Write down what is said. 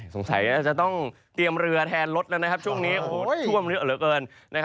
สงสัยอาจจะต้องเตรียมเรือแทนรถละนะครับช่วงนี้